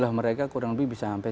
pak mas dias perannya sudah lama